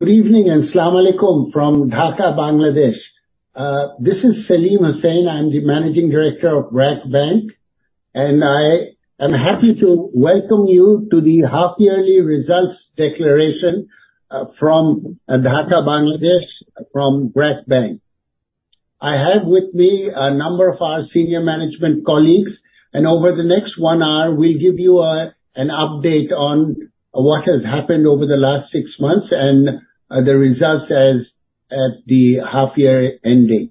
Good evening and assalamualaikum from Dhaka, Bangladesh. This is Selim Hussain. I'm the Managing Director of BRAC Bank, and I am happy to welcome you to the half-yearly results declaration from Dhaka, Bangladesh, from BRAC Bank. I have with me a number of our senior management colleagues, and over the next one hour, we'll give you an update on what has happened over the last six months and the results as at the half year ending.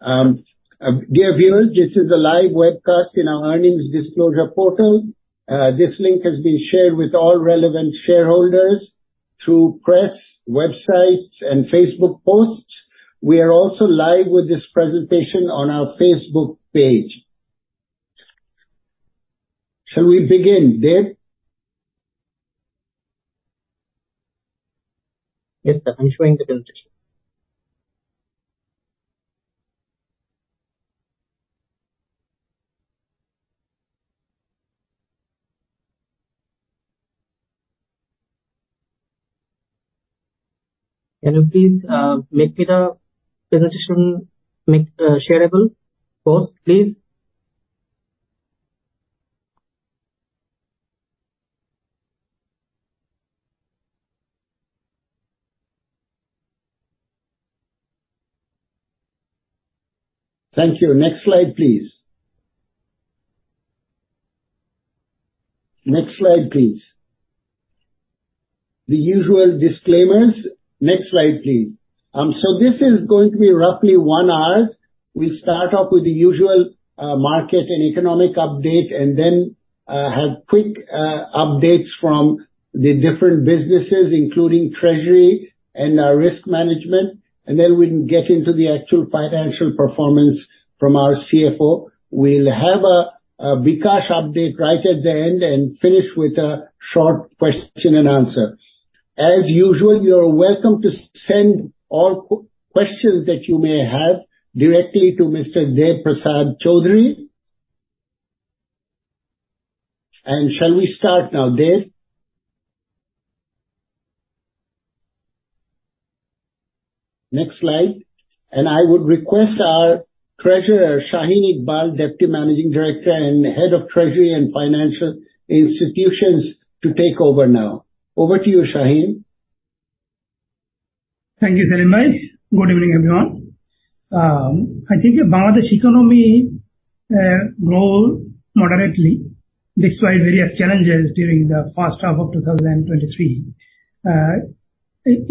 Dear viewers, this is a live webcast in our earnings disclosure portal. This link has been shared with all relevant shareholders through press, websites and Facebook posts. We are also live with this presentation on our Facebook page. Shall we begin, Deb? Yes, sir. I'm showing the presentation. Can you please make the presentation shareable? Post, please. Thank you. Next slide, please. Next slide, please. The usual disclaimers. Next slide, please. So this is going to be roughly 1 hour. We'll start off with the usual market and economic update, and then have quick updates from the different businesses, including treasury and our risk management, and then we can get into the actual financial performance from our CFO. We'll have a bKash update right at the end and finish with a short question and answer. As usual, you're welcome to send all questions that you may have directly to Mr. Debprasad Chowdhury. Shall we start now, Deb? Next slide. I would request our Treasurer, Shaheen Iqbal, Deputy Managing Director and Head of Treasury and Financial Institutions, to take over now. Over to you, Shaheen. Thank you, Selim. Good evening, everyone. I think the Bangladesh economy grow moderately despite various challenges during the first half of 2023.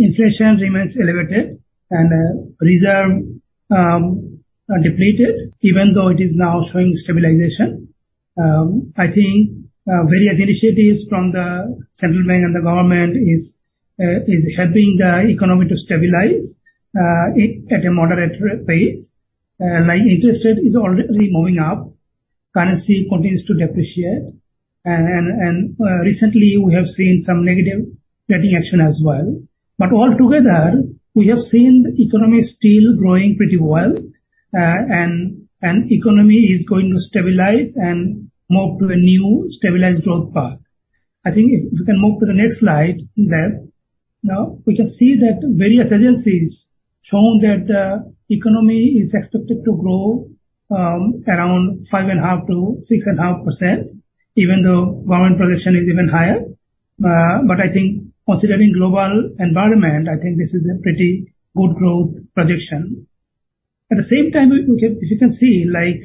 Inflation remains elevated and reserve depleted, even though it is now showing stabilization. I think various initiatives from the central bank and the government is helping the economy to stabilize it at a moderate pace. Like interest rate is already moving up, currency continues to depreciate, and, and, and recently we have seen some negative rating action as well. Altogether, we have seen the economy still growing pretty well, and, and economy is going to stabilize and move to a new stabilized growth path. I think if we can move to the next slide, Deb. We can see that various agencies shown that economy is expected to grow around 5.5%-6.5%, even though government projection is even higher. I think considering global environment, this is a pretty good growth projection. At the same time, we, we can, you can see, like,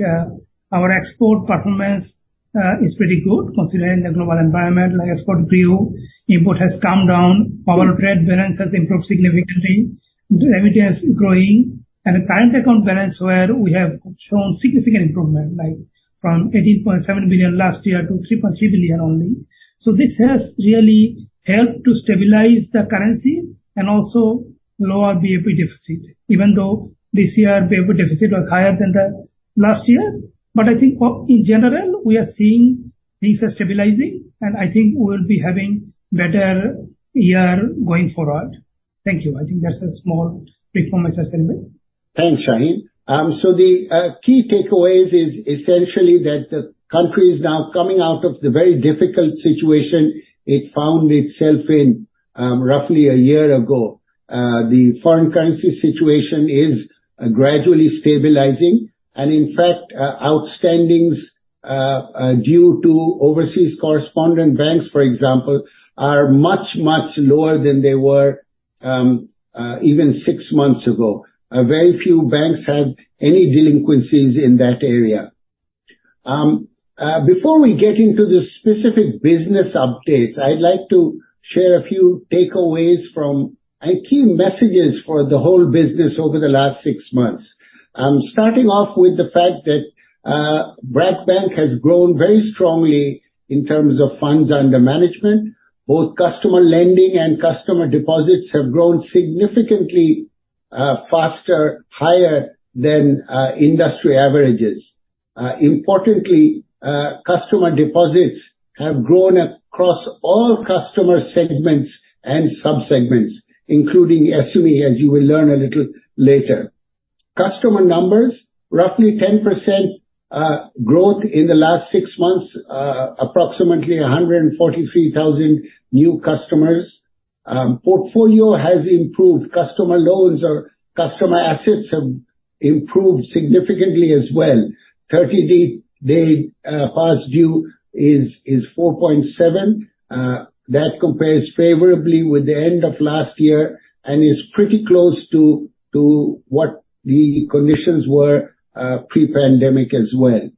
our export performance is pretty good considering the global environment, like export grew, import has come down, our trade balance has improved significantly, remittance growing, and the current account balance, where we have shown significant improvement, like from $18.7 billion last year to $3.3 billion only. This has really helped to stabilize the currency and also lower our BOP deficit, even though this year BOP deficit was higher than the last year. I think for... In general, we are seeing things are stabilizing, and I think we'll be having better year going forward. Thank you. I think that's a small performance assessment. Thanks, Shaheen. The key takeaways is essentially that the country is now coming out of the very difficult situation it found itself in, roughly a year ago. The foreign currency situation is gradually stabilizing, and in fact, outstandings due to overseas correspondent banks, for example, are much, much lower than they were even six months ago. Very few banks have any delinquencies in that area. Before we get into the specific business updates, I'd like to share a few takeaways from, and key messages for the whole business over the last six months. Starting off with the fact that BRAC Bank has grown very strongly in terms of funds under management. Both customer lending and customer deposits have grown significantly, faster, higher than industry averages. Importantly, customer deposits have grown across all customer segments and sub-segments, including SME, as you will learn a little later. Customer numbers, roughly 10% growth in the last six months, approximately 143,000 new customers. Portfolio has improved. Customer loans or customer assets have improved significantly as well. Thirty-day past due is 4.7. That compares favorably with the end of last year and is pretty close to what the conditions were pre-pandemic as well.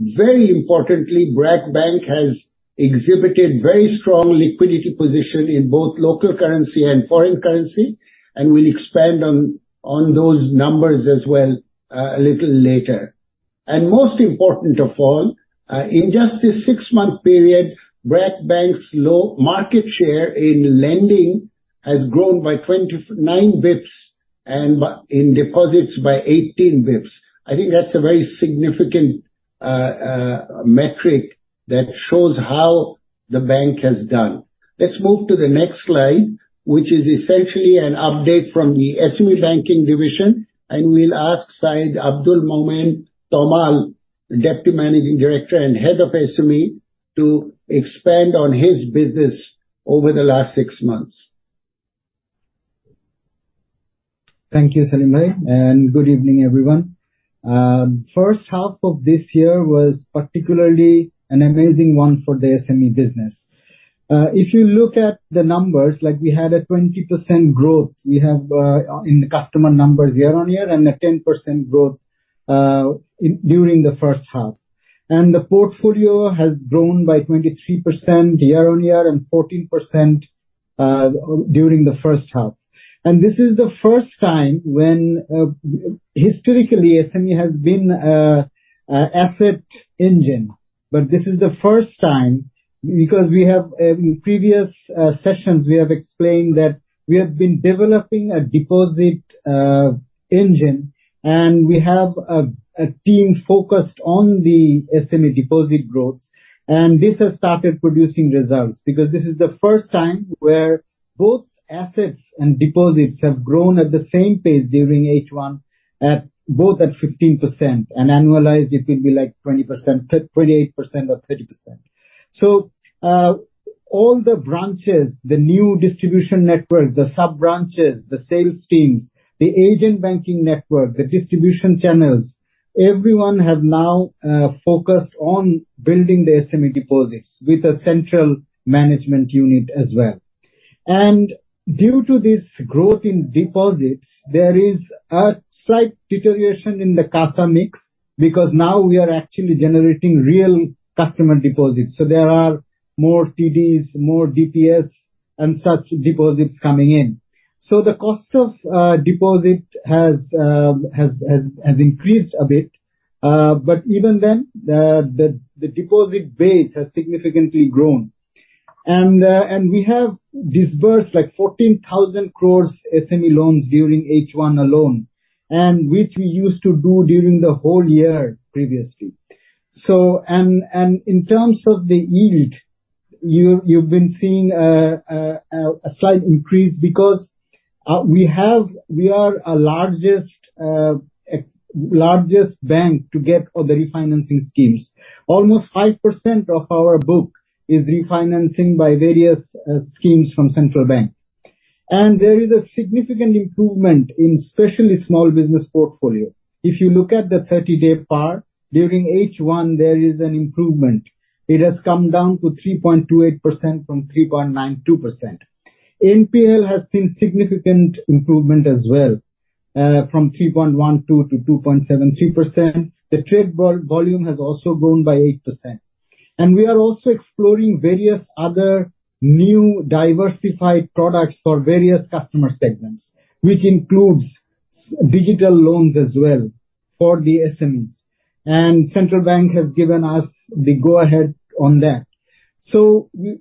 Very importantly, BRAC Bank has exhibited very strong liquidity position in both local currency and foreign currency, and we'll expand on those numbers as well a little later. Most important of all, in just this six-month period, BRAC Bank's low market share in lending has grown by 29 bps. in deposits by 18 basis points. I think that's a very significant metric that shows how the bank has done. Let's move to the next slide, which is essentially an update from the SME Banking division, and we'll ask Syed Abdul Momen Tamal, Deputy Managing Director and Head of SME, to expand on his business over the last 6 months. Thank you, Selim Bhai, and good evening, everyone. First half of this year was particularly an amazing one for the SME business. If you look at the numbers, like we had a 20% growth, we have in the customer numbers year-on-year and a 10% growth in, during the first half. The portfolio has grown by 23% year-on-year and 14% during the first half. This is the first time when historically, SME has been a asset engine. This is the first time, because we have in previous sessions, we have explained that we have been developing a deposit engine, and we have a team focused on the SME deposit growth. This has started producing results, because this is the first time where both assets and deposits have grown at the same pace during H1, at both at 15%, and annualized it will be like 20%, 28% or 30%. All the branches, the new distribution networks, the sub-branches, the sales teams, the agent banking network, the distribution channels, everyone have now focused on building the SME deposits with a central management unit as well. Due to this growth in deposits, there is a slight deterioration in the CASA mix, because now we are actually generating real customer deposits. So there are more TDs, more DPS, and such deposits coming in. So the cost of deposit has increased a bit, but even then, the deposit base has significantly grown. We have disbursed like BDT 14,000 crore SME loans during H1 alone, and which we used to do during the whole year previously. In terms of the yield, you, you've been seeing a slight increase because we are a largest bank to get on the refinancing schemes. Almost 5% of our book is refinancing by various schemes from Bangladesh Bank. There is a significant improvement in especially small business portfolio. If you look at the 30-day PAR, during H1, there is an improvement. It has come down to 3.28% from 3.92%. NPL has seen significant improvement as well, from 3.12% to 2.73%. The trade volume has also grown by 8%. We are also exploring various other new diversified products for various customer segments, which includes digital loans as well for the SMEs. Bangladesh Bank has given us the go-ahead on that.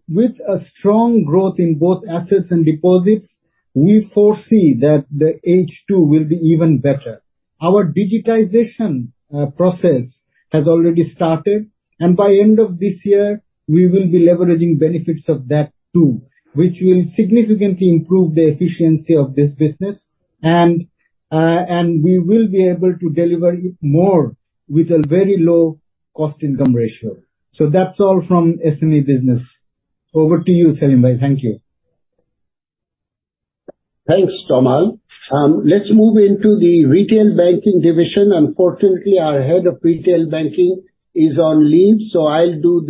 With a strong growth in both assets and deposits, we foresee that the H2 will be even better. Our digitization process has already started, and by end of this year, we will be leveraging benefits of that, too, which will significantly improve the efficiency of this business. We will be able to deliver it more with a very low Cost-income ratio. That's all from SME business. Over to you, Selim Bhai. Thank you. Thanks, Tamal. Let's move into the retail banking division. Unfortunately, our Head of Retail Banking is on leave, so I'll do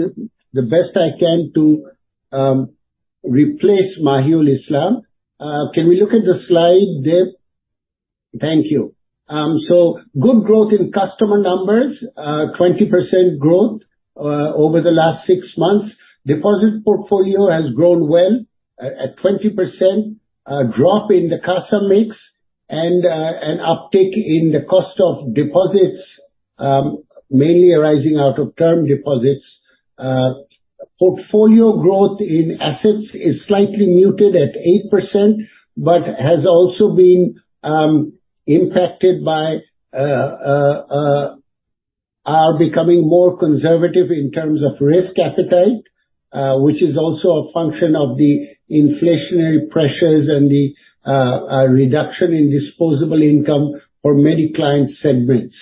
the best I can to replace Mahiul Islam. Can we look at the slide, Deb? Thank you. Good growth in customer numbers, 20% growth over the last 6 months. Deposit portfolio has grown well, at 20%, a drop in the CASA mix and an uptick in the cost of deposits, mainly arising out of term deposits. Portfolio growth in assets is slightly muted at 8%, but has also been impacted by becoming more conservative in terms of risk appetite, which is also a function of the inflationary pressures and the reduction in disposable income for many client segments.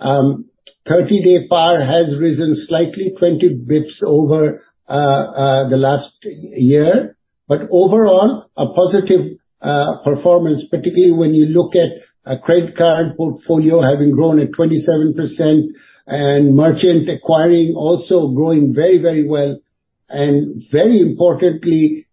30-day PAR has risen slightly, 20 basis points over the last year. Overall, a positive performance, particularly when you look at a credit card portfolio having grown at 27% and merchant acquiring also growing very, very well, and very importantly,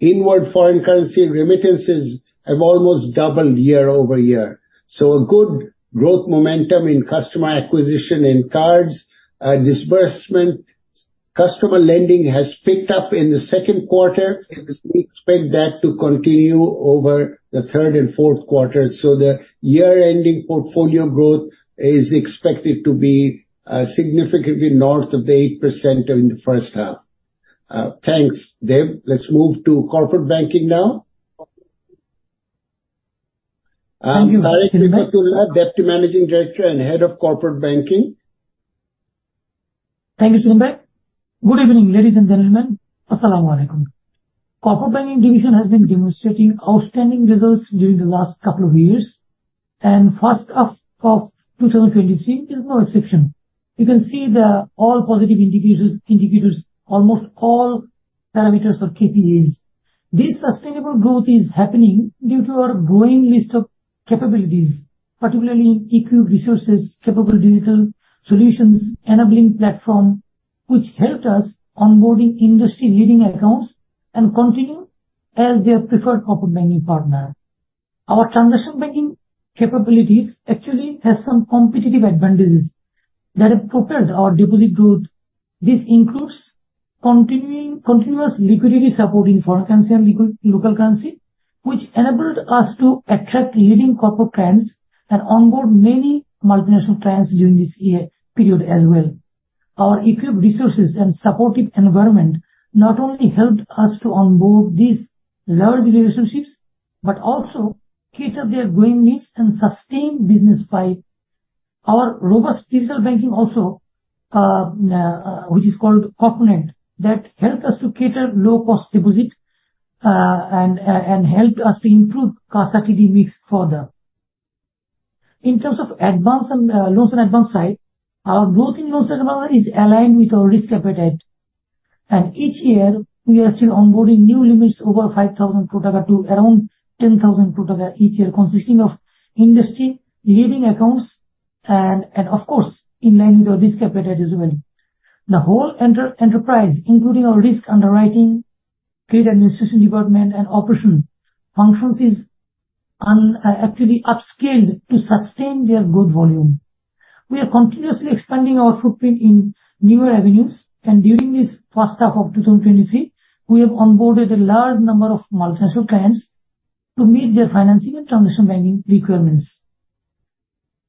inward foreign currency remittances have almost doubled year-over-year. A good growth momentum in customer acquisition in cards. Disbursement, customer lending has picked up in the second quarter. We expect that to continue over the third and fourth quarters, so the year-ending portfolio growth is expected to be significantly north of the 8% during the first half. Thanks, Deb. Let's move to corporate banking now. Thank you. Tareq Refat Ullah, Deputy Managing Director and Head of Corporate Banking. Thank you, Selim Bhai. Good evening, ladies and gentlemen. As-salamu alaykum. Corporate banking division has been demonstrating outstanding results during the last couple of years, and first half of 2023 is no exception. You can see the all positive indicators, almost all parameters or KPIs. This sustainable growth is happening due to our growing list of capabilities, particularly in equipped resources, capable digital solutions, enabling platform, which helped us onboarding industry-leading accounts and continue as their preferred corporate banking partner. Our Transaction banking capabilities actually has some competitive advantages that have propelled our deposit growth. This includes continuous liquidity support in foreign currency and local currency, which enabled us to attract leading corporate clients and onboard many multinational clients during this year period as well. Our equipped resources and supportive environment not only helped us to onboard these large relationships, but also cater their growing needs and sustain business by our robust digital banking also, which is called CORPnet, that helped us to cater low-cost deposit and helped us to improve CASA-TD mix further. In terms of advance and loans and advance side, our growth in loans and advance is aligned with our risk appetite. Each year, we are still onboarding new limits over BDT 5,000 to around BDT 10,000 each year, consisting of industry-leading accounts and of course, in line with our risk appetite as well. The whole enterprise, including our risk underwriting, credit administration department, and operation functions, is actually upscaled to sustain their growth volume. We are continuously expanding our footprint in newer avenues, during this first half of 2023, we have onboarded a large number of multinational clients to meet their financing and Transaction banking requirements.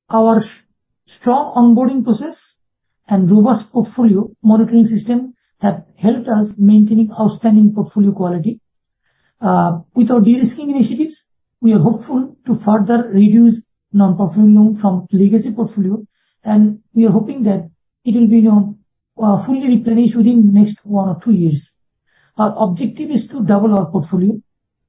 Our strong onboarding process and robust portfolio monitoring system have helped us maintaining outstanding portfolio quality. With our de-risking initiatives, we are hopeful to further reduce non-performing loans from legacy portfolio, we are hoping that it will be known, fully replenished within the next one or two years. Our objective is to double our portfolio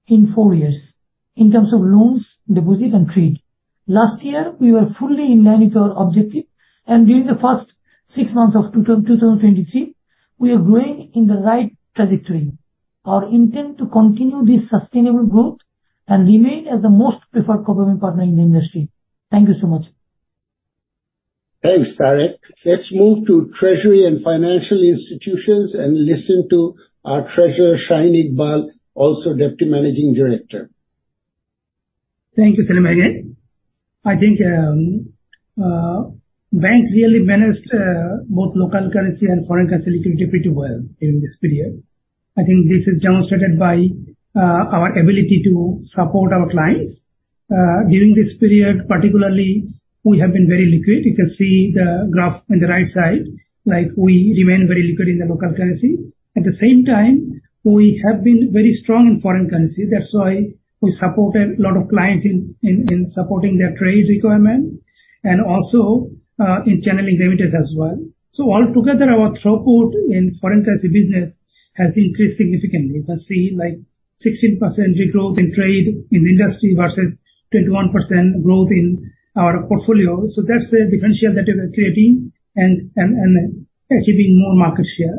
in four years in terms of loans, deposit, and trade. Last year, we were fully in line with our objective, during the first six months of 2023, we are growing in the right trajectory. Our intent to continue this sustainable growth and remain as the most preferred corporate partner in the industry. Thank you so much. Thanks, Tareq. Let's move to Treasury and Financial Institutions and listen to our Treasurer, Shaheen Iqbal, also Deputy Managing Director. Thank you, Selim Bhai. I think bank really managed both local currency and foreign currency liquidity pretty well during this period. I think this is demonstrated by our ability to support our clients. During this period particularly, we have been very liquid. You can see the graph on the right side, like, we remain very liquid in the local currency. At the same time, we have been very strong in foreign currency. That's why we supported a lot of clients in supporting their trade requirement and also in channeling remittances as well. Altogether, our throughput in foreign currency business has increased significantly. You can see, like, 16% growth in trade in industry versus 21% growth in our portfolio. That's the differential that we are creating and achieving more market share.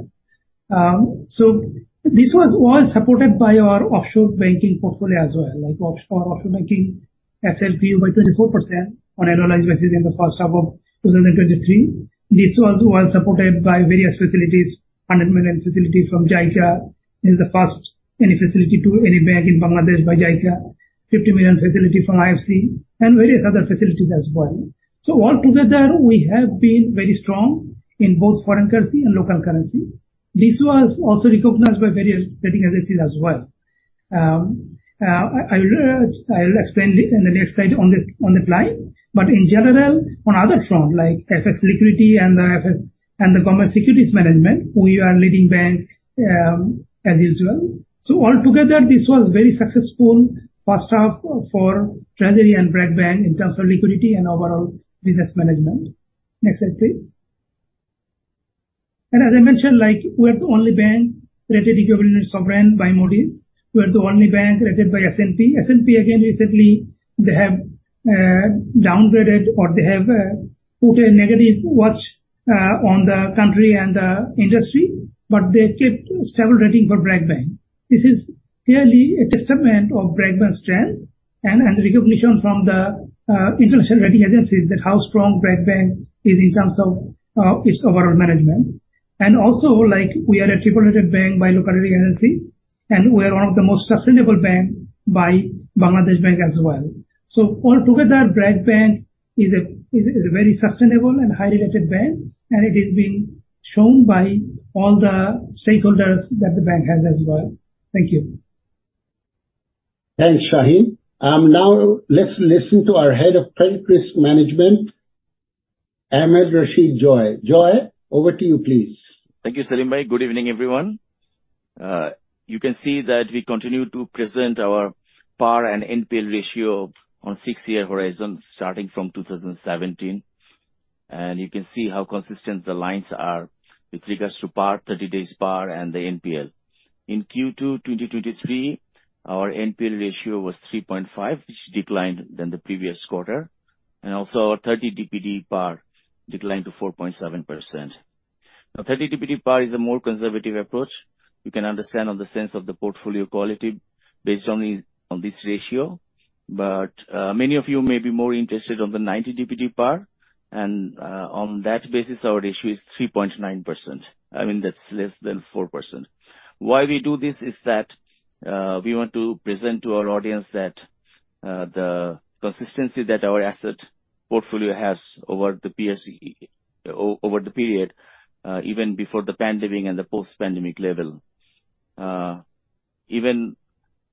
So this was all supported by our offshore banking portfolio as well, like, our offshore banking has grown by 24% on annualized basis in the first half of 2023. This was well supported by various facilities. $100 million facility from JICA, is the first any facility to any bank in Bangladesh by JICA. $50 million facility from IFC and various other facilities as well. Altogether, we have been very strong in both foreign currency and local currency. This was also recognized by various rating agencies as well. I, I'll, I'll explain it in the next slide on the, on the fly. In general, on other front, like FX liquidity and the FX and the government securities management, we are leading bank as usual. Altogether, this was very successful first half for treasury and BRAC Bank in terms of liquidity and overall business management. Next slide, please. As I mentioned, like, we are the only bank rated equivalent sovereign by Moody's. We are the only bank rated by S&P. S&P, again, recently, they have downgraded or they have put a negative watch on the country and the industry, but they kept stable rating for BRAC Bank. This is clearly a testament of BRAC Bank's strength and recognition from the international rating agencies that how strong BRAC Bank is in terms of its overall management. Also, like, we are a triple-rated bank by local rating agencies, and we are one of the most sustainable bank by Bangladesh Bank as well. Altogether, BRAC Bank is a very sustainable and highly rated bank, and it is being shown by all the stakeholders that the bank has as well. Thank you. Thanks, Shaheen. Now let's listen to our Head of Credit Risk Management, Ahmed Rashid Joy. Joy, over to you, please. Thank you, Selim Bhai. Good evening, everyone. You can see that we continue to present our PAR and NPL ratio on six-year horizon, starting from 2017. You can see how consistent the lines are with regards to PAR, 30 days PAR and the NPL. In Q2, 2023, our NPL ratio was 3.5, which declined than the previous quarter, and also our 30 DPD PAR declined to 4.7%. Now, 30 DPD PAR is a more conservative approach. You can understand on the sense of the portfolio quality based on the, on this ratio. Many of you may be more interested on the 90 DPD PAR, and on that basis, our ratio is 3.9%. I mean, that's less than 4%. Why we do this is that we want to present to our audience that the consistency that our asset portfolio has over the period, even before the pandemic and the post-pandemic level. Even,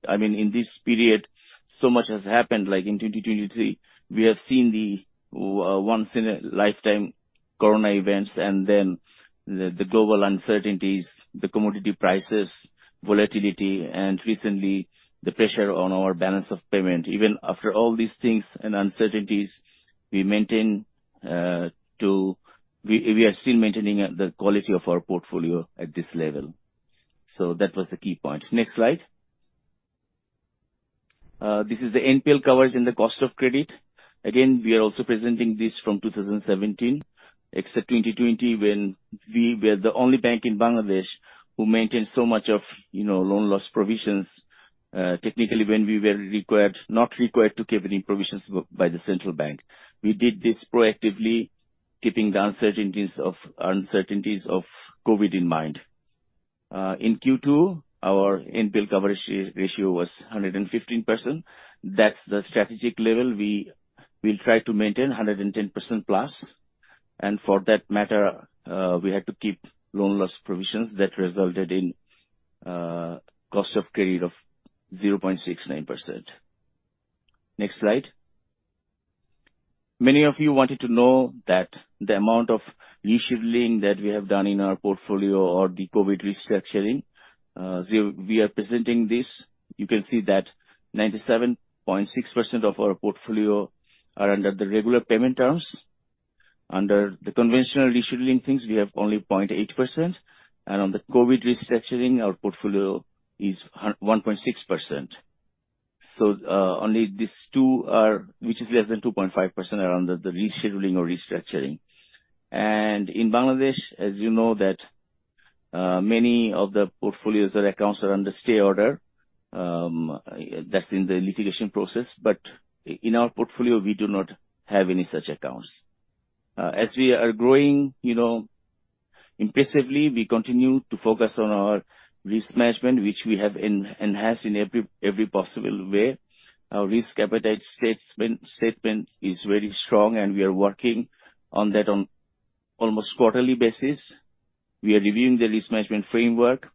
I mean, in this period, so much has happened, like in 2023, we have seen the once in a lifetime COVID events and then the global uncertainties, the commodity prices, volatility, and recently, the pressure on our balance of payment. Even after all these things and uncertainties, we are still maintaining the quality of our portfolio at this level. That was the key point. Next slide. This is the NPL coverage and the cost of credit. We are also presenting this from 2017, except 2020, when we were the only bank in Bangladesh who maintained so much of, you know, loan loss provisions, technically, when we were required, not required to keep any provisions by the central bank. We did this proactively, keeping the uncertainties of COVID in mind. In Q2, our NPL coverage ratio was 115%. That's the strategic level. We'll try to maintain 110% plus, for that matter, we had to keep loan loss provisions that resulted in cost of credit of 0.69%. Next slide. Many of you wanted to know that the amount of rescheduling that we have done in our portfolio or the COVID restructuring, we are presenting this. You can see that 97.6% of our portfolio are under the regular payment terms. Under the conventional rescheduling things, we have only 0.8%, and on the COVID restructuring, our portfolio is 1.6%. Only these two are, which is less than 2.5%, are under the rescheduling or restructuring. In Bangladesh, as you know, that many of the portfolios or accounts are under stay order, that's in the litigation process. In our portfolio, we do not have any such accounts. As we are growing, you know, impressively, we continue to focus on our risk management, which we have enhanced in every, every possible way. Our risk appetite statement is very strong, and we are working on that on almost quarterly basis. We are reviewing the risk management framework,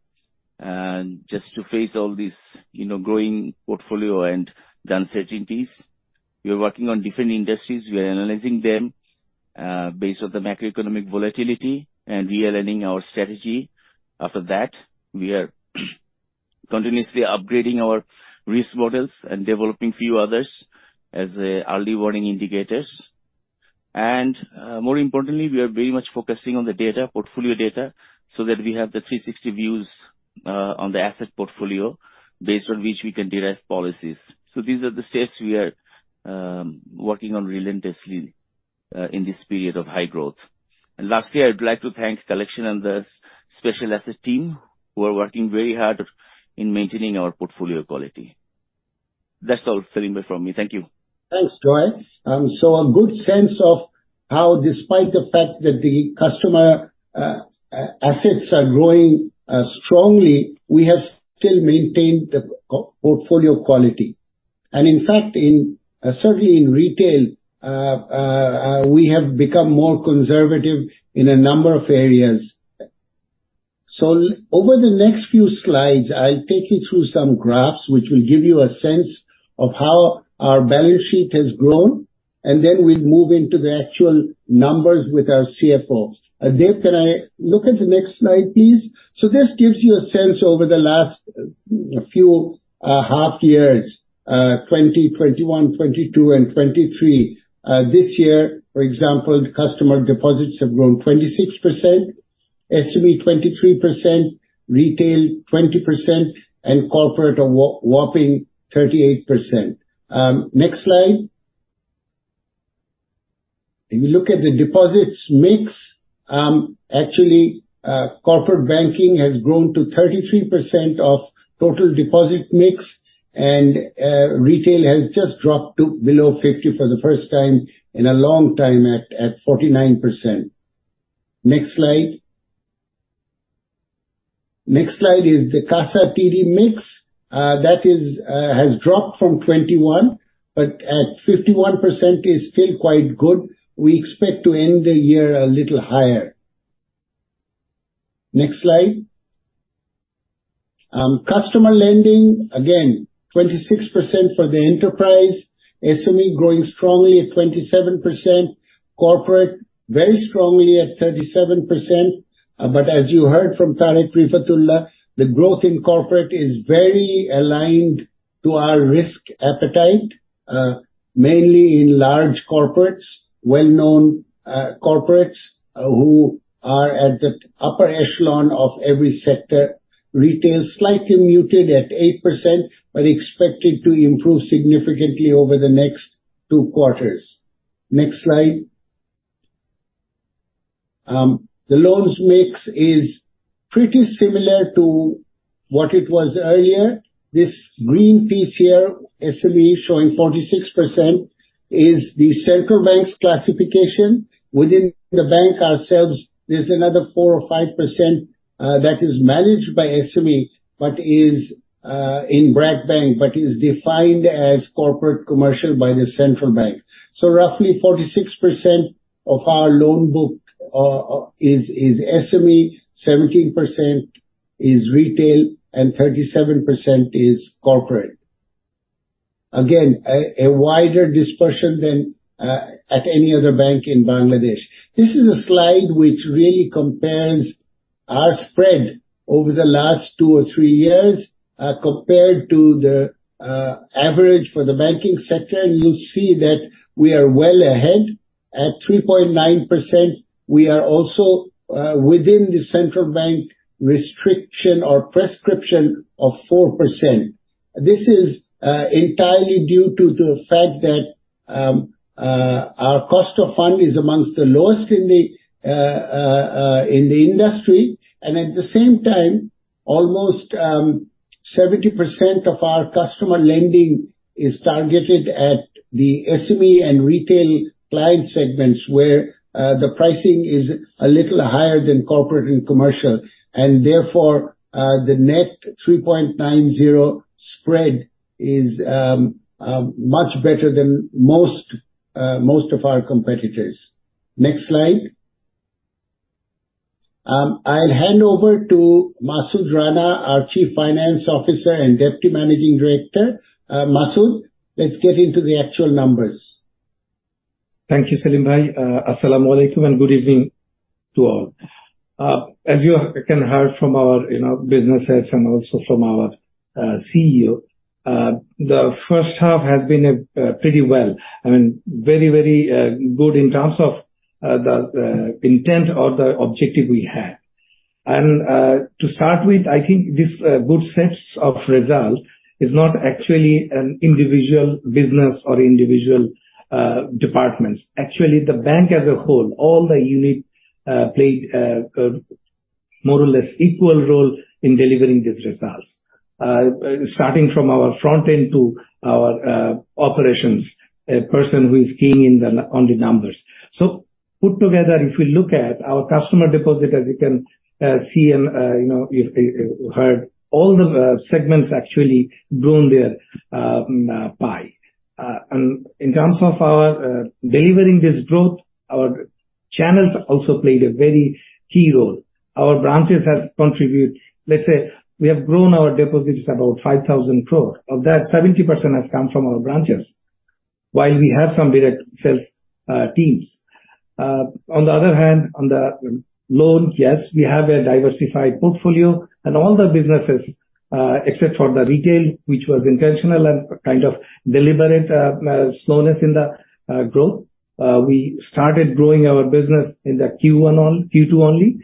just to face all these, you know, growing portfolio and the uncertainties, we are working on different industries. We are analyzing them based on the macroeconomic volatility, and realigning our strategy. After that, we are continuously upgrading our risk models and developing few others as early warning indicators. More importantly, we are very much focusing on the data, portfolio data, so that we have the 360 views on the asset portfolio, based on which we can derive policies. These are the steps we are working on relentlessly in this period of high growth. Lastly, I would like to thank collection and the special asset team, who are working very hard in maintaining our portfolio quality. That's all, Selim Bhai, from me. Thank you. Thanks, Joy. A good sense of how, despite the fact that the customer assets are growing strongly, we have still maintained the portfolio quality. In fact, in certainly in retail, we have become more conservative in a number of areas. Over the next few slides, I'll take you through some graphs which will give you a sense of how our balance sheet has grown, and then we'll move into the actual numbers with our CFO. Deb, can I look at the next slide, please? This gives you a sense, over the last few half years, 2020, 2021, 2022 and 2023. This year, for example, customer deposits have grown 26%. SME 23%, retail 20%, and corporate a whopping 38%. Next slide. If you look at the deposits mix, actually, corporate banking has grown to 33% of total deposit mix, and retail has just dropped to below 50 for the first time in a long time at 49%. Next slide. Next slide is the CASA-TD mix. That is, has dropped from 21, but at 51% is still quite good. We expect to end the year a little higher. Next slide. Customer lending, again, 26% for the enterprise, SME growing strongly at 27%, corporate very strongly at 37%. As you heard from Tareq Refat Ullah, the growth in corporate is very aligned to our risk appetite, mainly in large corporates, well-known, corporates, who are at the upper echelon of every sector. Retail, slightly muted at 8%, expected to improve significantly over the next two quarters. Next slide. The loans mix is pretty similar to what it was earlier. This green piece here, SME, showing 46%, is the central bank's classification. Within the bank ourselves, there's another 4% or 5% that is managed by SME, but is in BRAC Bank, but is defined as corporate commercial by the central bank. Roughly 46% of our loan book is SME, 17% is retail, and 37% is corporate. Again, a wider dispersion than at any other bank in Bangladesh. This is a slide which really compares our spread over the last 2 or 3 years compared to the average for the banking sector. You'll see that we are well ahead at 3.9%. We are also within the central bank restriction or prescription of 4%. This is entirely due to the fact that our cost of fund is amongst the lowest in the industry. At the same time, almost 70% of our customer lending is targeted at the SME and retail client segments, where the pricing is a little higher than corporate and commercial. Therefore, the net 3.90 spread is much better than most of our competitors. Next slide. I'll hand over to Masud Rana, our Chief Financial Officer and Deputy Managing Director. Masud, let's get into the actual numbers. Thank you, Selim Bhai. assalamualaikum, and good evening to all. As you have, can hear from our, you know, business heads and also from our CEO, the first half has been pretty well. I mean, very, very good in terms of the intent or the objective we had. To start with, I think this good sets of result is not actually an individual business or individual departments. Actually, the bank as a whole, all the unit played more or less equal role in delivering these results. Starting from our front end to our operations, a person who is keying in the, on the numbers. Put together, if we look at our customer deposit, as you can see and, you know, if heard, all the segments actually grown their pie. In terms of our delivering this growth, our channels also played a very key role. Our branches has contribute... Let's say we have grown our deposits about BDT 5,000 crore. Of that, 70% has come from our branches, while we have some direct sales teams. On the other hand, on the loan, yes, we have a diversified portfolio, and all the businesses, except for the retail, which was intentional and kind of deliberate slowness in the growth. We started growing our business in the Q1 Q2 only.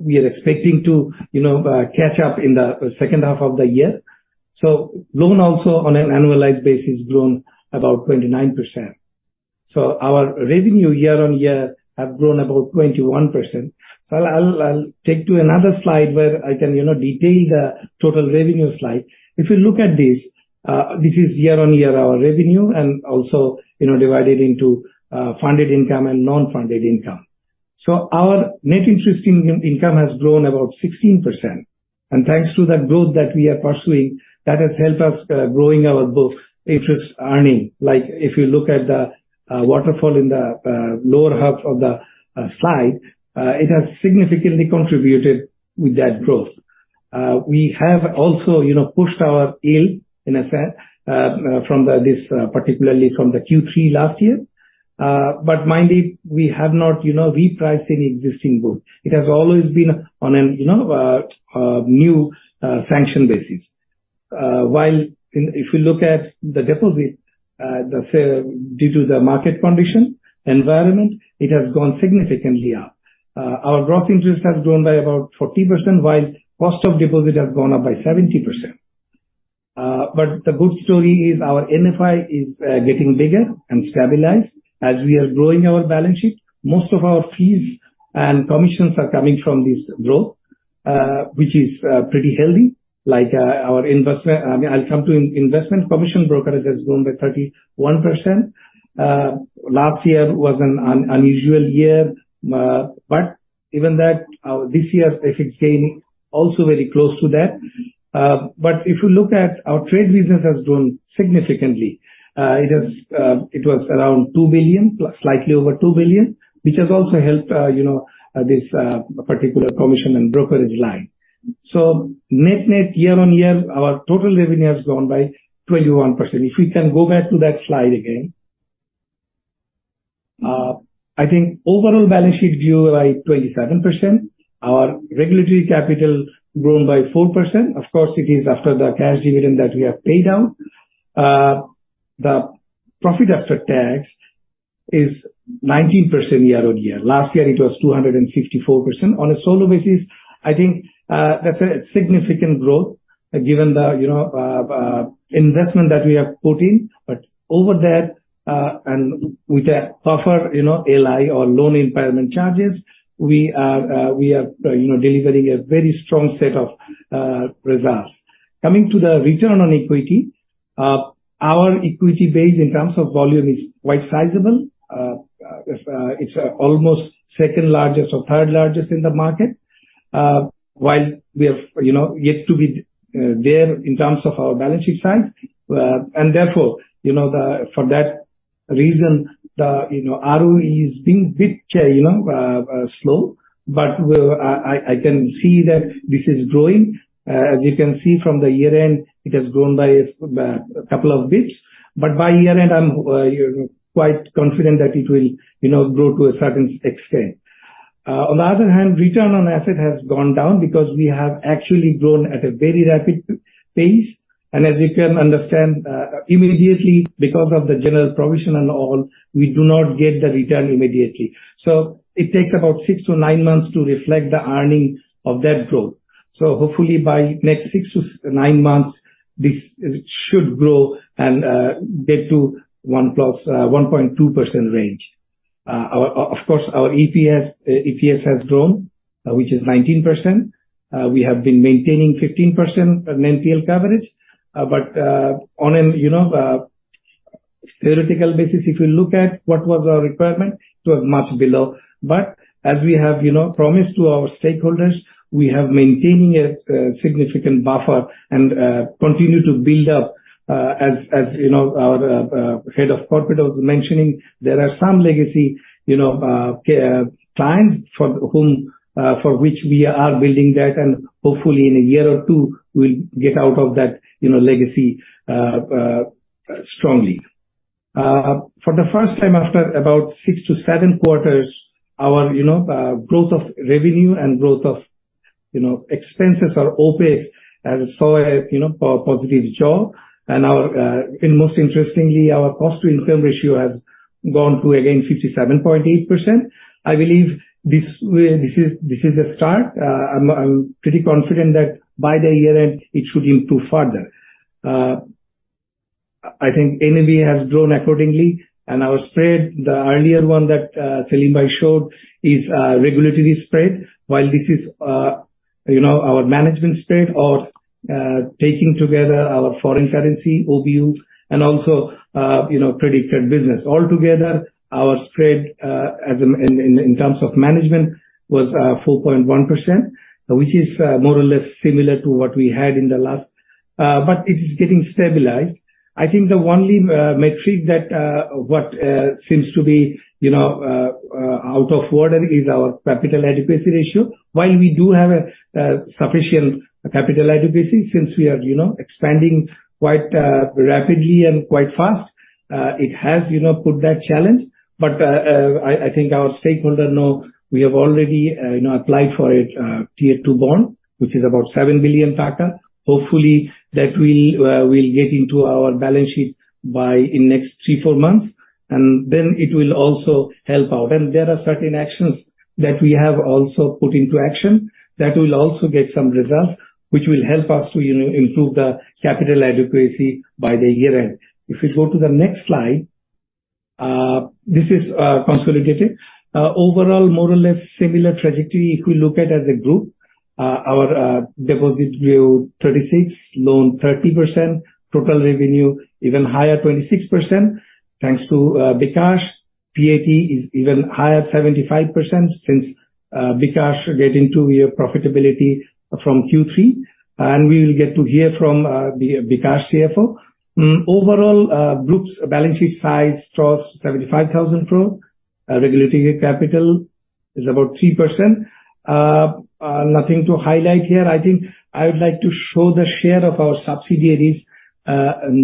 We are expecting to, you know, catch up in the second half of the year. Loan also, on an annualized basis, grown about 29%. Our revenue year-over-year have grown about 21%. I'll, I'll, I'll take to another slide where I can, you know, detail the total revenue slide. If you look at this, this is year-over-year, our revenue, and also, you know, divided into funded income and non-funded income. Our net interest income has grown about 16%. Thanks to the growth that we are pursuing, that has helped us growing our book interest earning. Like, if you look at the waterfall in the lower half of the slide, it has significantly contributed with that growth. We have also, you know, pushed our yield, in a sense, from the, this, particularly from the Q3 last year. Mind you, we have not, you know, repriced any existing book. It has always been on an, you know, new sanction basis. While in, if you look at the deposit, the sale, due to the market condition, environment, it has gone significantly up. Our gross interest has grown by about 40%, while cost of deposit has gone up by 70%. The good story is our NFI is getting bigger and stabilized. As we are growing our balance sheet, most of our fees and commissions are coming from this growth, which is pretty healthy. Like, I mean, I'll come to investment. Commission brokerage has grown by 31%. Last year was an unusual year, but even that, this year's FX gaining also very close to that. If you look at our trade business has grown significantly. It has, it was around BDT 2 billion, plus slightly over BDT 2 billion, which has also helped, you know, this particular commission and brokerage line. Net-net, year-on-year, our total revenue has grown by 21%. If we can go back to that slide again. I think overall balance sheet view, like 27%. Our regulatory capital grown by 4%. Of course, it is after the cash dividend that we have paid out. The profit after tax is 19% year-over-year. Last year, it was 254%. On a solo basis, I think, that's a significant growth given the, you know, investment that we have put in. Over there, and with that buffer, you know, LI or loan impairment charges, we are, we are, you know, delivering a very strong set of results. Coming to the return on equity, our equity base in terms of volume is quite sizable. It's almost second largest or third largest in the market. While we have, you know, yet to be there in terms of our balance sheet size, and therefore, you know, for that reason, the, you know, ROE is being bit, you know, slow, but we're, I, I, I can see that this is growing. As you can see from the year end, it has grown by a couple of bits, but by year end, I'm, you know, quite confident that it will, you know, grow to a certain extent. On the other hand, return on asset has gone down because we have actually grown at a very rapid pace, and as you can understand, immediately, because of the general provision and all, we do not get the return immediately. It takes about 6-9 months to reflect the earning of that growth. Hopefully, by next 6-9 months, this should grow and get to 1+ to 1.2% range. Our, of course, our EPS, EPS has grown, which is 19%. We have been maintaining 15% NPL coverage. On an, you know, theoretical basis, if you look at what was our requirement, it was much below. As we have, you know, promised to our stakeholders, we have maintaining a significant buffer and continue to build up, as, as you know, our head of corporate was mentioning, there are some legacy, you know, clients for whom, for which we are building that, and hopefully in a year or two, we'll get out of that, you know, legacy strongly. For the first time, after about 6-7 quarters, our, you know, growth of revenue and growth of, you know, expenses or OpEx as far as, you know, positive job. Our and most interestingly, our cost to income ratio has gone to, again, 57.8%. I believe this, this is, this is a start. I'm, I'm pretty confident that by the year end, it should improve further. I think NIB has grown accordingly, and our spread, the earlier one that, Selim Bhai showed, is a regulatory spread. While this is, you know, our management spread or, taking together our foreign currency OBUs and also, you know, predicted business. Altogether, our spread, as in, in, in terms of management, was 4.1%, which is more or less similar to what we had in the last, but it is getting stabilized. I think the only metric that, what, seems to be, you know, out of order is our capital adequacy ratio. While we do have a sufficient capital adequacy, since we are, you know, expanding quite rapidly and quite fast, it has, you know, put that challenge. I, I think our stakeholder know we have already, you know, applied for a tier two bond, which is about BDT 7 billion. Hopefully, that will get into our balance sheet by in next 3, 4 months, and then it will also help out. There are certain actions that we have also put into action that will also get some results, which will help us to, you know, improve the capital adequacy by the year-end. If you go to the next slide, this is consolidated. Overall, more or less similar trajectory, if we look at as a group. Our deposit grew 36, loan 30%, total revenue even higher, 26%, thanks to bKash. PAT is even higher, 75%, since bKash get into your profitability from Q3. We will get to hear from the bKash CFO. Overall, group's balance sheet size crossed BDT 75,000 crore. Regulatory capital is about 3%. Nothing to highlight here. I think I would like to show the share of our subsidiaries in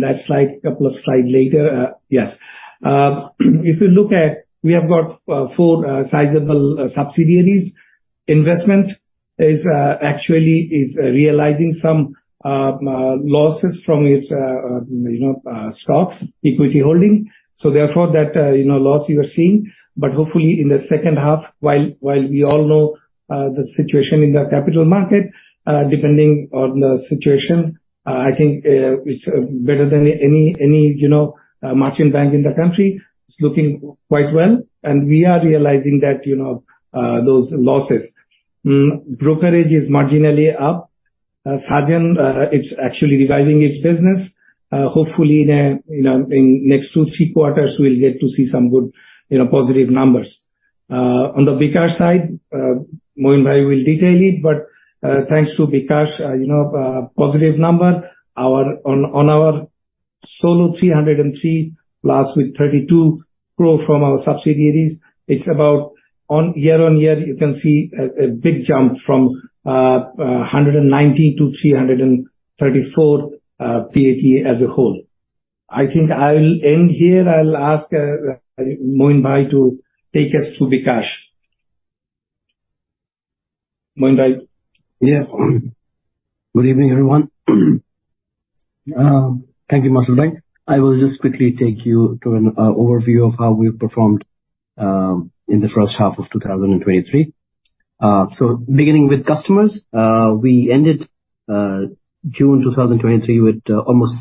the next slide, couple of slide later. Yes. If you look at, we have got four sizable subsidiaries. Investment is actually realizing some losses from its, you know, stocks, equity holding. Therefore, that, you know, loss you are seeing, but hopefully in the second half, while, while we all know, the situation in the capital market, depending on the situation, I think, it's better than any, any, you know, merchant bank in the country. It's looking quite well, and we are realizing that, you know, those losses. Brokerage is marginally up. Sajaan, it's actually reviving its business. Hopefully in a, you know, in next two, three quarters, we'll get to see some good, you know, positive numbers. On the bKash side, Moin brother will detail it, but thanks to bKash, you know, positive number, on our solo $303, plus with $32 growth from our subsidiaries, year-on-year, you can see a big jump from $190 to $334, PAT as a whole. I think I'll end here. I'll ask Moin brother to take us through bKash. Moin brother? Yeah. Good evening, everyone. Thank you, Masud brother. I will just quickly take you through an overview of how we've performed in the first half of 2023. Beginning with customers, we ended June 2023 with almost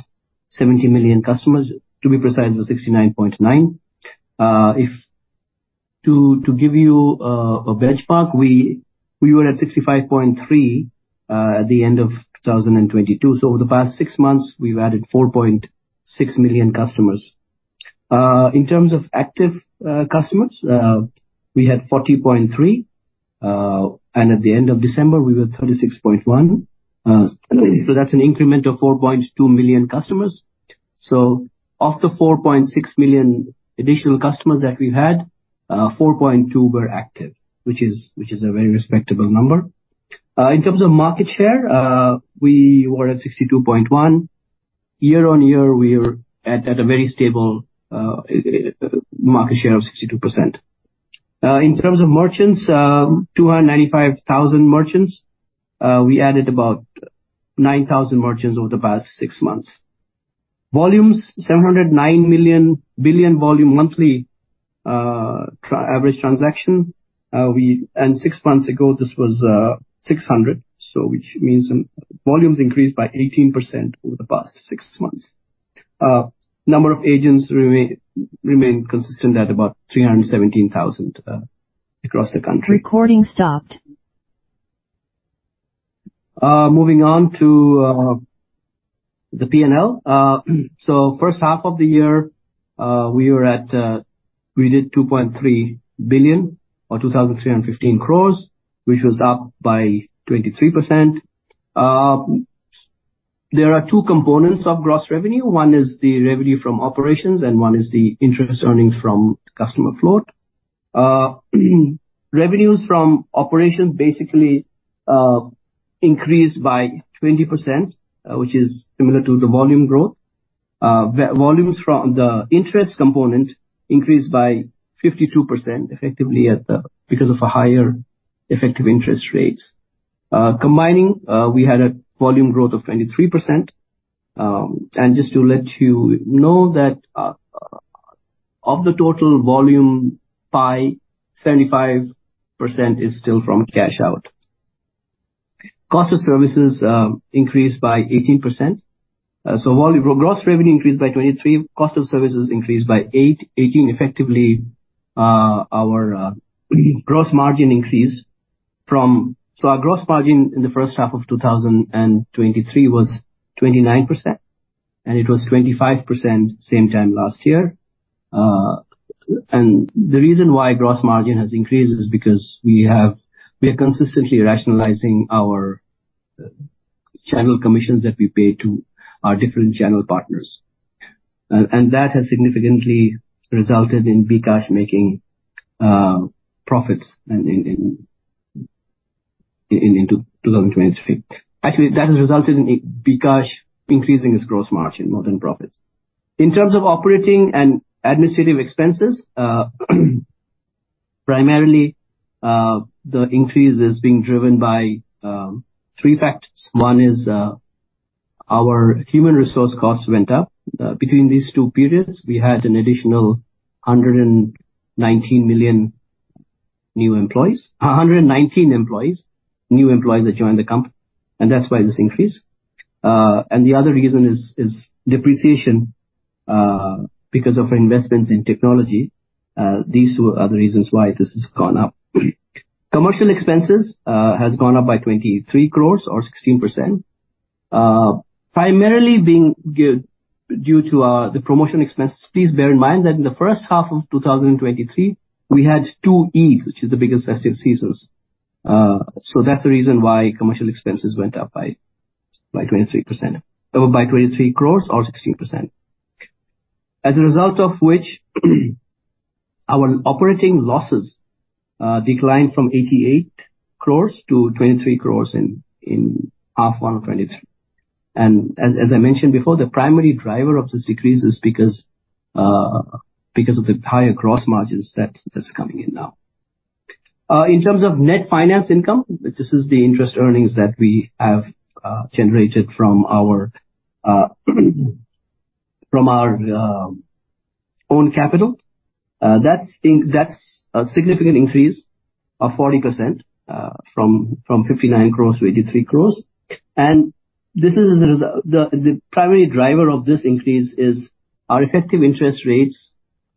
70 million customers. To be precise, it was 69.9. If to give you a benchmark, we were at 65.3 at the end of 2022, so over the past six months, we've added 4.6 million customers. In terms of active customers, we had 40.3, and at the end of December, we were 36.1. That's an increment of 4.2 million customers. Of the 4.6 million additional customers that we've had, 4.2 were active, which is, which is a very respectable number. In terms of market share, we were at 62.1. Year-over-year, we are at a, at a very stable market share of 62%. In terms of merchants, 295,000 merchants. We added about 9,000 merchants over the past six months. Volumes, 709 million volume monthly average transaction. Six months ago, this was 600 million, so which means volumes increased by 18% over the past six months. Number of agents remain consistent at about 317,000 across the country. Recording stopped. Moving on to the P&L. First half of the year, we were at, we did BDT 2.3 billion or BDT 2,315 crores, which was up by 23%. There are two components of gross revenue. One is the revenue from operations, and one is the interest earnings from customer float. Revenues from operations basically increased by 20%, which is similar to the volume growth. Volumes from the interest component increased by 52% effectively at the because of a higher effective interest rates. Combining, we had a volume growth of 23%. Just to let you know that of the total volume by 75% is still from cash out. Cost of services increased by 18%. Gross revenue increased by 23, cost of services increased by 8. 18 effectively. Our gross margin in the first half of 2023 was 29%, and it was 25% same time last year. The reason why gross margin has increased is because we are consistently rationalizing our channel commissions that we pay to our different channel partners. That has significantly resulted in bKash making profits in 2023. Actually, that has resulted in bKash increasing its gross margin more than profits. In terms of operating and administrative expenses, primarily, the increase is being driven by 3 factors. One is, our human resource costs went up. Between these two periods, we had an additional 119 million new employees, 119 employees, new employees that joined the company, and that's why this increase. The other reason is, is depreciation because of investments in technology. These two are the reasons why this has gone up. Commercial expenses has gone up by 23 crore or 16%, primarily being due to the promotion expenses. Please bear in mind that in the first half of 2023, we had 2 Eids, which is the biggest festive seasons. So that's the reason why commercial expenses went up by, by 23%, by 23 crore or 16%. As a result of which, our operating losses declined from 88 crore to 23 crore in half one of 2023. As I mentioned before, the primary driver of this decrease is because, because of the higher gross margins that's coming in now. In terms of net finance income, this is the interest earnings that we have generated from our, from our own capital. That's a significant increase of 40%, from BDT 59 crore to BDT 83 crore. This is as a result. The primary driver of this increase is our effective interest rates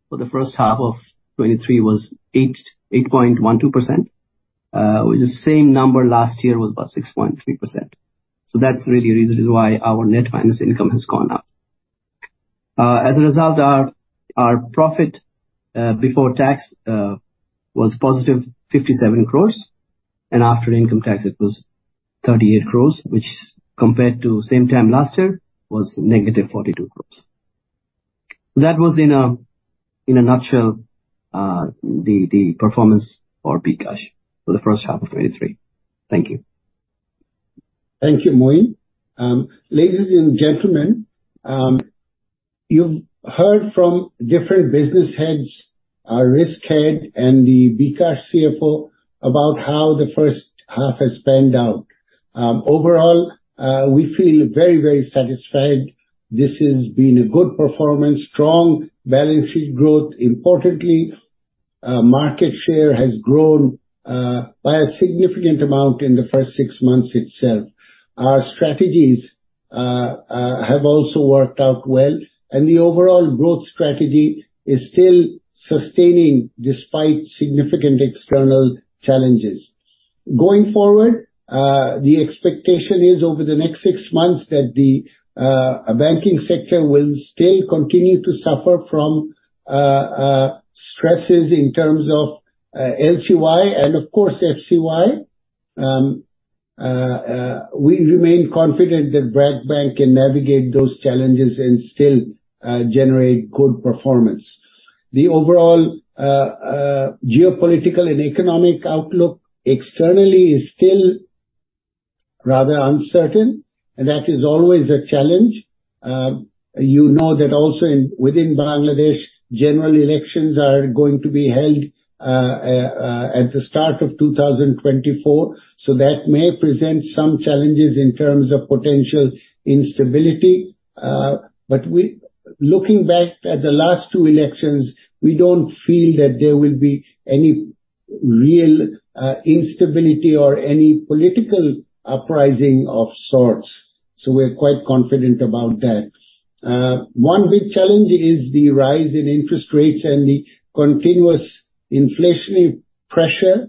for the first half of 2023 was 8.12%. Which the same number last year was about 6.3%. That's really the reason why our net finance income has gone up. As a result, our, our profit before tax was positive BDT 57 crores, and after income tax it was BDT 38 crores, which compared to same time last year, was negative BDT 42 crores. That was in a, in a nutshell, the, the performance for bKash for the first half of 2023. Thank you. Thank you, Moin. Ladies and gentlemen, you've heard from different business heads, our risk head, and the bKash CFO about how the first half has panned out. Overall, we feel very, very satisfied. This has been a good performance, strong balance sheet growth. Importantly, market share has grown by a significant amount in the first six months itself. Our strategies have also worked out well, and the overall growth strategy is still sustaining despite significant external challenges. Going forward, the expectation is over the next six months, that the banking sector will still continue to suffer from stresses in terms of LCY and of course, FCY. We remain confident that BRAC Bank can navigate those challenges and still generate good performance. The overall geopolitical and economic outlook externally is still rather uncertain, and that is always a challenge. You know that also in, within Bangladesh, general elections are going to be held at the start of 2024, so that may present some challenges in terms of potential instability. Looking back at the last 2 elections, we don't feel that there will be any real instability or any political uprising of sorts, so we're quite confident about that. 1 big challenge is the rise in interest rates and the continuous inflationary pressure,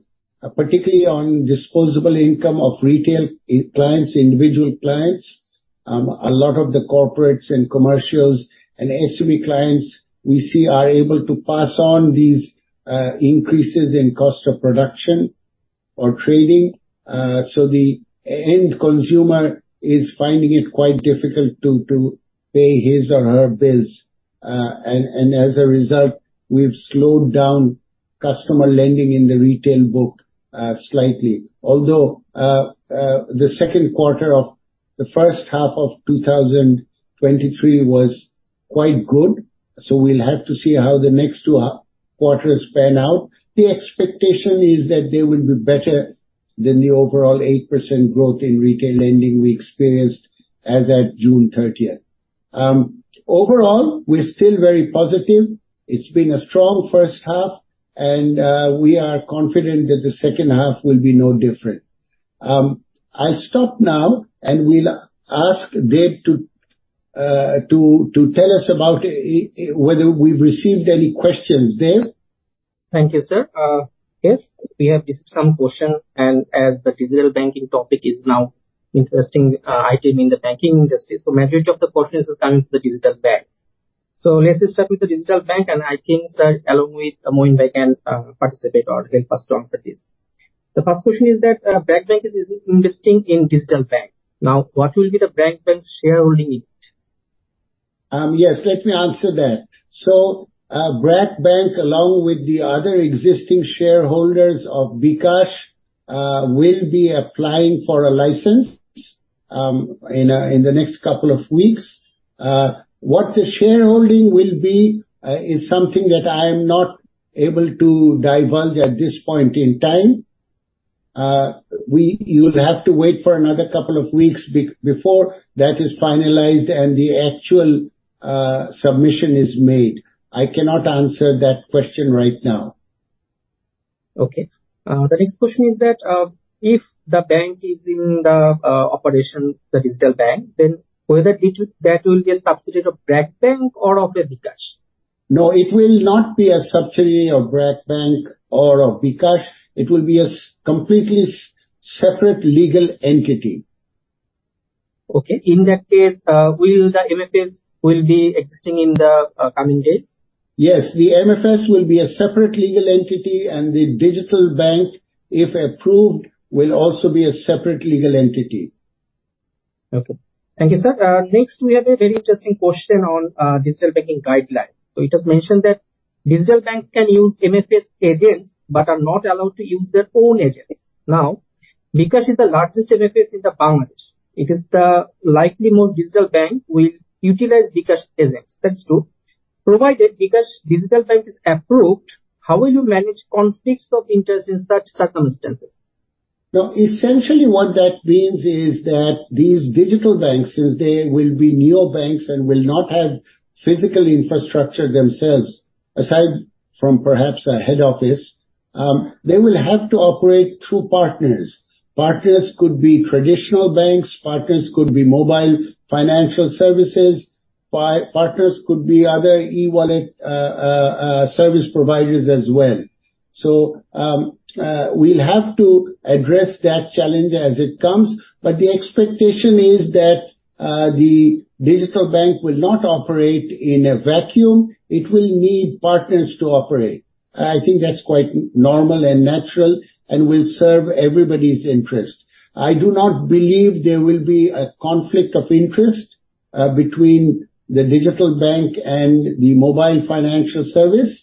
particularly on disposable income of retail clients, individual clients. A lot of the corporates and commercials and SME clients we see are able to pass on these increases in cost of production or trading, so the end consumer is finding it quite difficult to pay his or her bills. As a result, we've slowed down customer lending in the retail book slightly. Although the second quarter of the first half of 2023 was quite good, so we'll have to see how the next two quarters pan out. The expectation is that they will be better than the overall 8% growth in retail lending we experienced as at June 30th. Overall, we're still very positive. It's been a strong first half, and we are confident that the second half will be no different. I'll stop now, we'll ask Deb to tell us about whether we've received any questions. Deb? Thank you, sir. yes, we have received some questions, and as the digital banking topic is now interesting, item in the banking industry, majority of the questions are coming to the digital bank. let's just start with the digital bank, and I think, sir, along with Moin, they can participate or give first answers. The first question is that, BRAC Bank is investing in digital bank. Now, what will be the BRAC Bank's shareholding in it? Yes, let me answer that. BRAC Bank, along with the other existing shareholders of bKash, will be applying for a license, in the next couple of weeks. What the shareholding will be, is something that I am not able to divulge at this point in time. You'll have to wait for another couple of weeks before that is finalized and the actual, submission is made. I cannot answer that question right now. Okay. The next question is that, if the bank is in the operation, the digital bank, then whether it will, that will be a substitute of BRAC Bank or of the bKash? No, it will not be a subsidiary of BRAC Bank or of bKash. It will be a completely separate legal entity. Okay. In that case, will the MFS will be existing in the coming days? Yes, the MFS will be a separate legal entity, and the digital bank, if approved, will also be a separate legal entity. Okay. Thank you, sir. Next, we have a very interesting question on digital banking guideline. You just mentioned that Digital banks can use MFS agents, but are not allowed to use their own agents. Now, bKash is the largest MFS in the Bangladesh. It is the likely most Digital bank will utilize bKash agents. That's true. Provided bKash Digital bank is approved, how will you manage conflicts of interest in such circumstances? Essentially, what that means is that these digital banks, since they will be neo banks and will not have physical infrastructure themselves, aside from perhaps a head office, they will have to operate through partners. Partners could be traditional banks, partners could be mobile financial services, partners could be other e-wallet service providers as well. We'll have to address that challenge as it comes, but the expectation is that the digital bank will not operate in a vacuum. It will need partners to operate. I think that's quite normal and natural and will serve everybody's interests. I do not believe there will be a conflict of interest between the digital bank and the mobile financial service,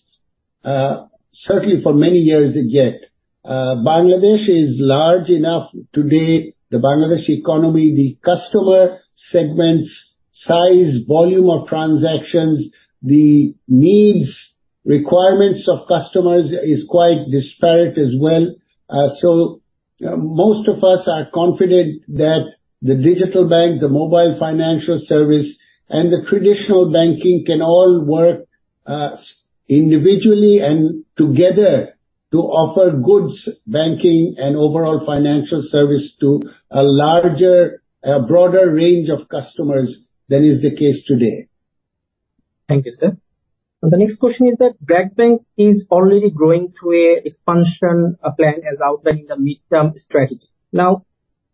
certainly for many years yet. Bangladesh is large enough today, the Bangladesh economy, the customer segments, size, volume of transactions, the needs, requirements of customers is quite disparate as well. Most of us are confident that the digital bank, the mobile financial service, and the traditional banking can all work individually and together to offer good banking and overall financial service to a larger, a broader range of customers than is the case today. Thank you, sir. The next question is that BRAC Bank is already going through a expansion plan as outlined in the midterm strategy. Now,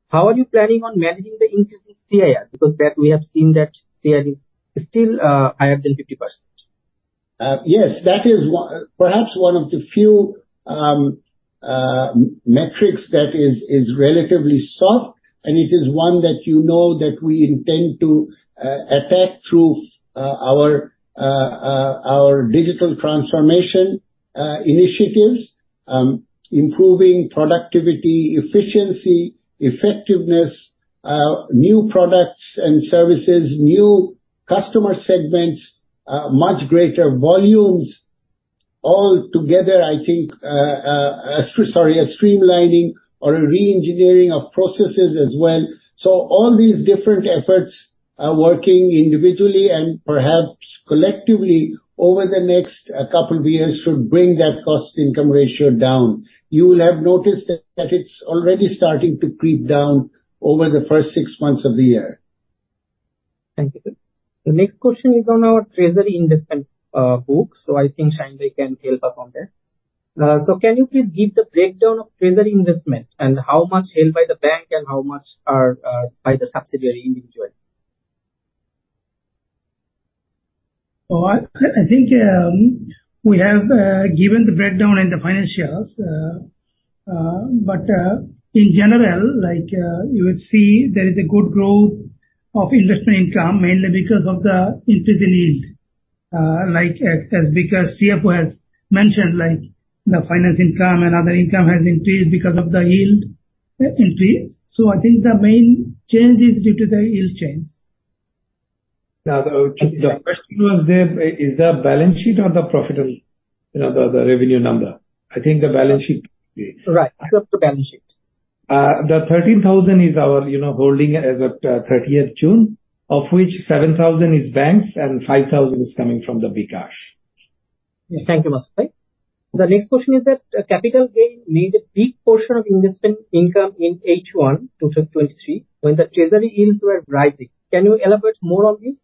how are you planning on managing the increase in CIR? That we have seen that CIR is still higher than 50%. Yes, that is one, perhaps one of the few metrics that is, is relatively soft, and it is one that you know that we intend to attack through our digital transformation initiatives. Improving productivity, efficiency, effectiveness, new products and services, new customer segments, much greater volumes all together, I think. Sorry, a streamlining or a re-engineering of processes as well. All these different efforts are working individually and perhaps collectively over the next couple of years, should bring that cost-income ratio down. You will have noticed that, that it's already starting to creep down over the first six months of the year. Thank you, sir. The next question is on our treasury investment book. I think Shaheen can help us on that. Can you please give the breakdown of treasury investment and how much held by the bank and how much are by the subsidiary individually? I, I think, we have given the breakdown in the financials, in general, like, you will see there is a good growth of investment income, mainly because of the increase in yield. Like, as, as bKash CFO has mentioned, like, the finance income and other income has increased because of the yield increase. I think the main change is due to the yield change. The, the question was there, is the balance sheet or the profitable, you know, the, the revenue number? I think the balance sheet. Right. It's up to balance sheet. The BDT 13,000 is our, you know, holding as at thirtieth June, of which BDT 7,000 is banks and BDT 5,000 is coming from the bKash. Thank you, Masud Sir. The next question is that capital gain made a big portion of investment income in H1 2023, when the treasury yields were rising. Can you elaborate more on this?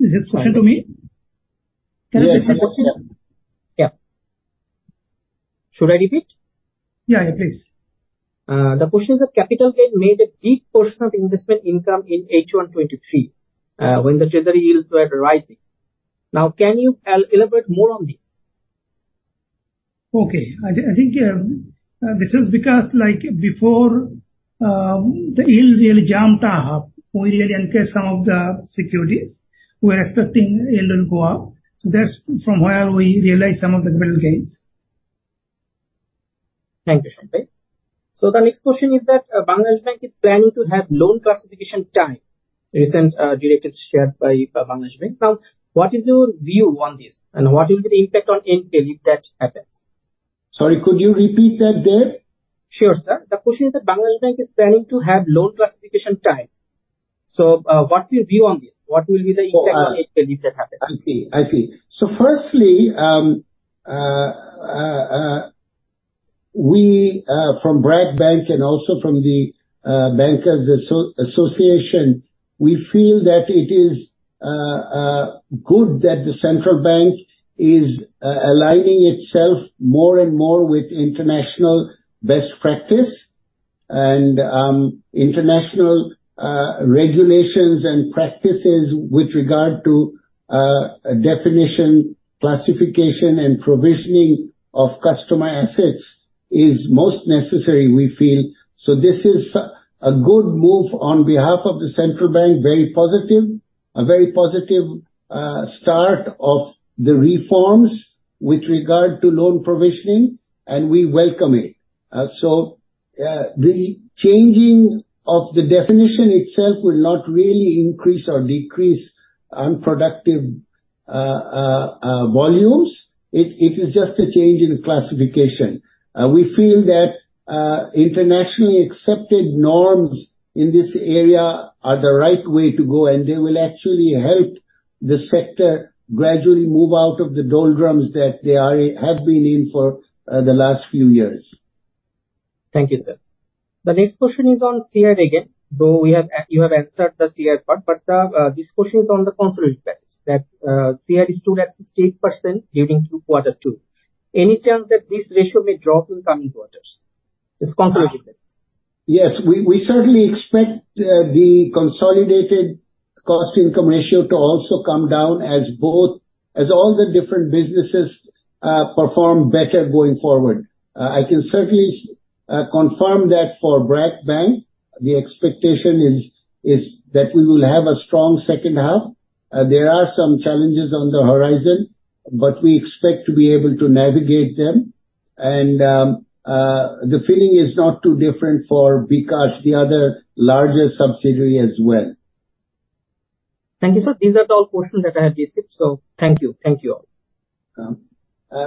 Is this question to me? Yes. Yeah. Should I repeat? Yeah, please. The question is, the capital gain made a big portion of investment income in H1 2023, when the treasury yields were rising. Can you elaborate more on this? Okay. I think, I think, this is because, like, before, the yield really jumped up, we really encased some of the securities. We were expecting yield will go up, so that's from where we realized some of the capital gains. Thank you, Shaheen. The next question is that, Bangladesh Bank is planning to have loan classification time, recent, directives shared by, Bangladesh Bank. What is your view on this, and what will be the impact on NK if that happens? Sorry, could you repeat that again? Sure, sir. The question is that Bangladesh Bank is planning to have loan classification time. What's your view on this? What will be the impact on NK if that happens? I see. I see. Firstly, we from BRAC Bank and also from the Bankers Association, we feel that it is good that the Bangladesh Bank is aligning itself more and more with international best practice and international regulations and practices with regard to definition, classification, and provisioning of customer assets, is most necessary, we feel. This is a good move on behalf of the central bank, very positive. A very positive start of the reforms with regard to loan provisioning, and we welcome it. The changing of the definition itself will not really increase or decrease unproductive volumes. It, it is just a change in the classification. We feel that internationally accepted norms in this area are the right way to go, and they will actually help the sector gradually move out of the doldrums that they are, have been in for the last few years. Thank you, sir. The next question is on CIR again, though we have you have answered the CIR part, but this question is on the consolidated basis, that CIR stood at 68% during Q2. Any chance that this ratio may drop in coming quarters? This consolidated basis. Yes, we, we certainly expect, the consolidated cost income ratio to also come down as both, as all the different businesses, perform better going forward. I can certainly confirm that for BRAC Bank, the expectation is, is that we will have a strong second half. There are some challenges on the horizon, but we expect to be able to navigate them. The feeling is not too different for bKash, the other larger subsidiary as well. Thank you, sir. These are all the questions that I have listed, so thank you. Thank you all.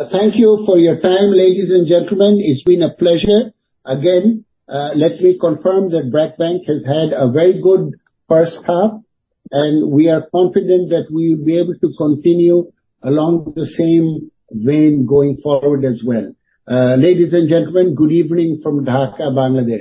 Thank you for your time, ladies and gentlemen. It's been a pleasure. Again, let me confirm that BRAC Bank has had a very good first half, and we are confident that we will be able to continue along the same vein going forward as well. Ladies and gentlemen, good evening from Dhaka, Bangladesh.